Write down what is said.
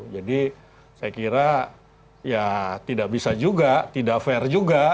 jadi saya kira ya tidak bisa juga tidak fair juga